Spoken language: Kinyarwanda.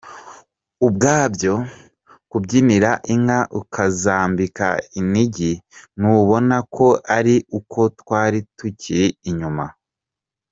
Ubwabyo kubyinira inka ukazambika inigi ntubona ko ari uko twari tukiri inyuma.